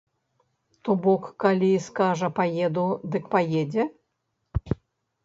То бок, калі скажа паеду, дык паедзе?